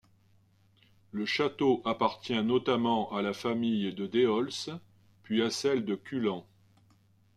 Le château appartient notamment à la famille de Déols, puis à celle de Culan.